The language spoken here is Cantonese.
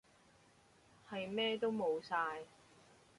係咩都無晒